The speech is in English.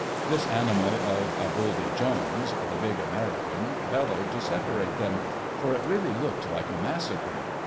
"This Animal of a Buldy Jones," the big American, bellowed to separate them, for it really looked like a massacre.